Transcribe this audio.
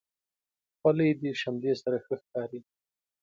خولۍ د شملې سره ښه ښکاري.